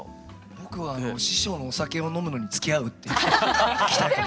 僕は師匠のお酒を飲むのにつきあうっていう鍛え方で。